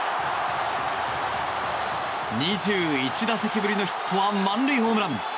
２１打席ぶりのヒットは満塁ホームラン。